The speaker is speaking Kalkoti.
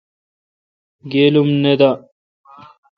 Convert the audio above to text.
گیل ام نہ دہ۔